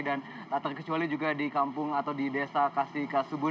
dan tak terkecuali di kampung atau di desa kasih kasubun